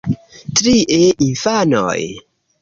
Trie, infanoj.